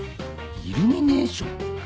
イルミネーション。